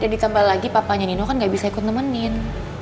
dan ditambah lagi papanya nino kan nggak bisa ikut nemenin